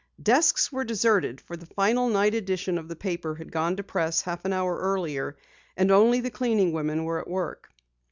Desks were deserted, for the final night edition of the paper had gone to press half an hour earlier, and only the cleaning women were at work.